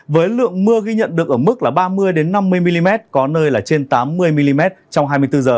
với lượng mưa ghi nhận được ở mức là ba mươi năm mươi mm có nơi là trên tám mươi mm trong hai mươi bốn h